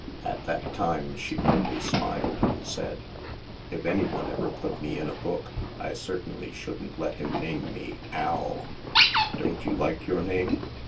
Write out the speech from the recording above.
At that time, she merely smiled and said: "If any one ever put me in a book, I certainly shouldn't let him name me * Al.' " Don't you like your name